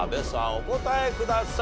お答えください。